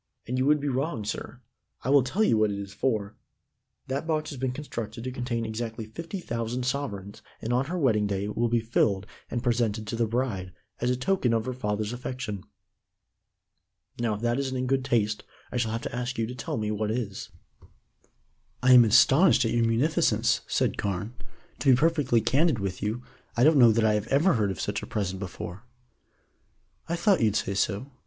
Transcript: "And you would be wrong, sir. I will tell you what it is for. That box has been constructed to contain exactly fifty thousand sovereigns and on her wedding day it will be filled, and presented to the bride, as a token of her father's affection. Now, if that isn't in good taste, I shall have to ask you to tell me what is." "I am astonished at your munificence," said Carne. "To be perfectly candid with you, I don't know that I have ever heard of such a present before." "I thought you'd say so.